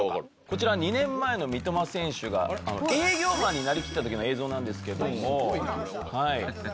こちら２年前の三笘選手が営業マンになりきった時の映像なんですけども。